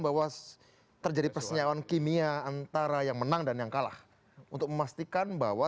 bahwa terjadi persenjauhan kimia antara yang menang dan yang kalah untuk memastikan bahwa